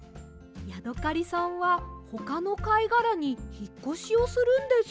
ヤドカリさんはほかのかいがらにひっこしをするんです。